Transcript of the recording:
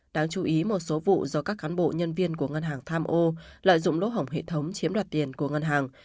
đáng chú ý một số vụ do các cán bộ nhân viên của ngân hàng tham ô lợi dụng lỗ hổng hệ thống chiếm đoạt tiền của ngân hàng